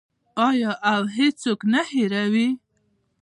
آیا او هیڅوک نه هیروي؟